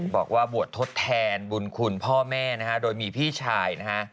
บอกว่าบวชทดแทนบุญคุณพ่อแม่นะฮะโดยมีพี่ชายนะฮะ